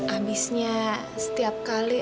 abisnya setiap kali